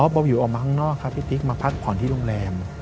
เบาวิวออกมาข้างนอกครับพี่ติ๊กมาพักผ่อนที่โรงแรม